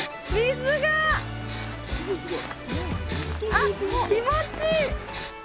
あっ気持ちいい！